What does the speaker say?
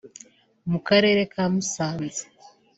mu karere ka Musanze